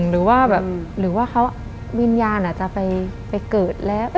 หรือว่าวิญญาณอาจจะไปเกิดแล้ว